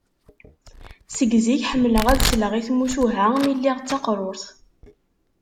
Seg zik ḥemmleɣ ad sleɣ i tmucuha mi lliɣ d taqrurt.